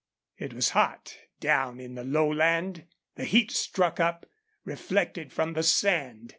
It was hot down in the lowland. The heat struck up, reflected from the sand.